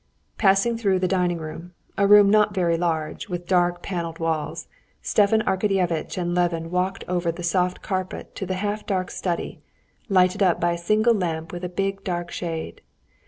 Passing through the dining room, a room not very large, with dark, paneled walls, Stepan Arkadyevitch and Levin walked over the soft carpet to the half dark study, lighted up by a single lamp with a big dark shade.